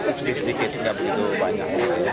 aktif sedikit tidak begitu banyak